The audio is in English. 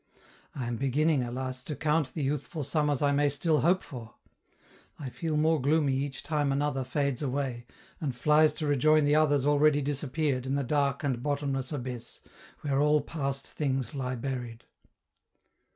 I am beginning, alas! to count the youthful summers I may still hope for; I feel more gloomy each time another fades away, and flies to rejoin the others already disappeared in the dark and bottomless abyss, where all past things lie buried.